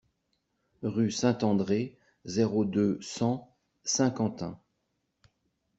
Rue Saint-André, zéro deux, cent Saint-Quentin